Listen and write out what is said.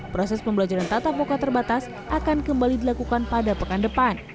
proses pembelajaran tatap muka terbatas akan kembali dilakukan pada pekan depan